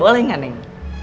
orang dua aja yang listening